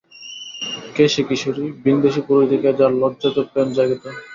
কে সে কিশোরী, ভিনদেশী পুরুষ দেখিয়া যার লজ্জাতুর প্রেম জাগিত?